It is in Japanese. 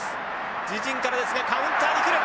自陣からですがカウンターに来る。